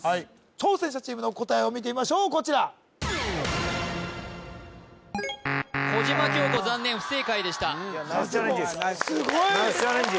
挑戦者チームの答えを見てみましょうこちら小島京古残念不正解でしたナイスチャレンジナイスチャレンジ